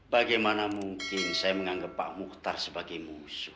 bagaimana mungkin saya menganggap pak muhtar sebagai musuh